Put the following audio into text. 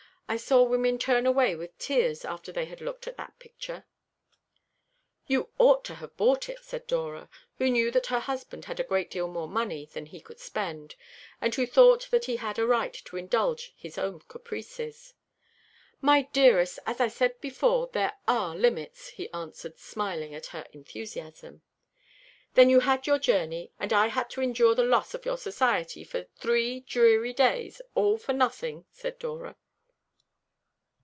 I saw women turn away with tears after they had looked at that picture." "You ought to have bought it," said Dora, who knew that her husband had a great deal more money than he could spend, and who thought that he had a right to indulge his own caprices. "My dearest, as I said before, there are limits," he answered, smiling at her enthusiasm. "Then you had your journey, and I had to endure the loss of your society for three dreary days, all for nothing?" said Dora.